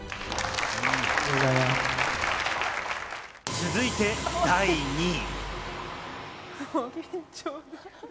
続いて第２位。